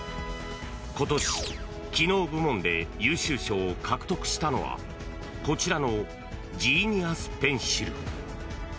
今年、機能部門で優秀賞を獲得したのはこちらのジーニアスペンシル。